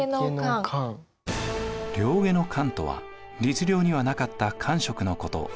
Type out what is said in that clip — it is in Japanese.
令外官とは律令にはなかった官職のこと。